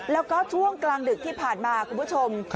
แล้วก็ช่วงกลางดึกที่ผ่านมาคุณผู้ชม